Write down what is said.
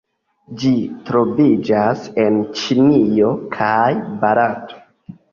Ĝi troviĝas en Ĉinio kaj Barato.